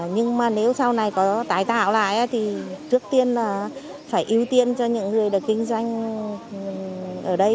nhưng mà nếu sau này có tái tạo lại thì trước tiên là phải ưu tiên cho những người được kinh doanh ở đây